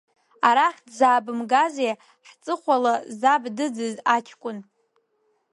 Арахь дзаабымгазеи, ҳҵыхәала заб дыӡыз аҷкәын?!